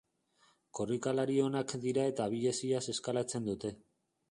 Korrikalari onak dira eta abileziaz eskalatzen dute.